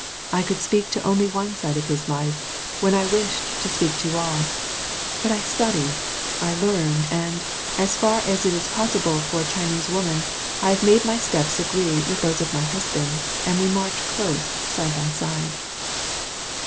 I could speak to only one side of his life, when I wished to speak to all; but I studied, I learned, and, as far as it is possible for a Chinese woman, I have made my steps agree with those or my husband, and we march close, side by side.